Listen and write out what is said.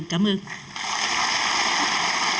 xin chân trọng cảm ơn